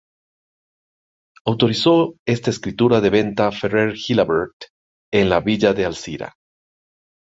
Autorizó esta escritura de venta Ferrer Gilabert en la villa de Alcira.